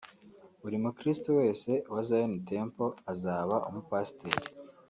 Buri mukristo wese wa Zion Temple azaba umupasiteri